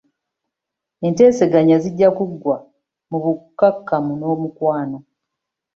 Enteeseganya zijja kuggwa mu bukkakkamu n'omukwano.